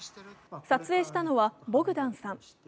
撮影したのはボグダンさん。